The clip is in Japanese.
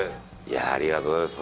ありがとうございます。